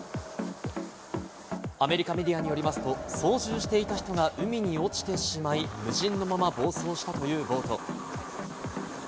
アメリカメディアによりますと、操縦していた人が海に落ちてしまい、無人のまま暴走したというボート。